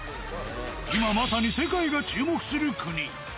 今、まさに世界が注目する国。